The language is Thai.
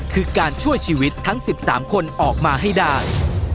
คือการช่วยชีวิตทั้ง๑๓คนออกมาให้ได้